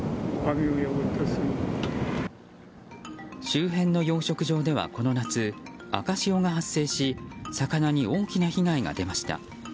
周辺の養殖場ではこの夏赤潮が発生し魚に大きな被害が出ました。